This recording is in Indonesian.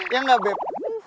ya gak bebeb